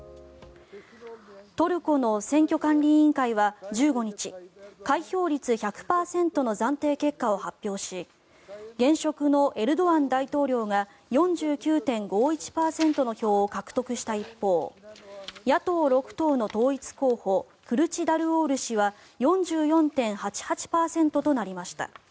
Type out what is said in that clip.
トルコの選挙管理委員会は１５日開票率１００％の暫定結果を発表し現職のエルドアン大統領が４９．５１％の票を獲得した一方野党６党の統一候補クルチダルオール氏は４４．８８％となりました。